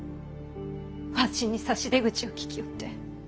わしに差し出口をききおって。